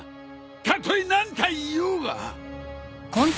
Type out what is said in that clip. たとえ何体いようが。